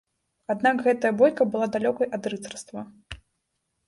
Аднак гэтая бойка была далёкай ад рыцарства.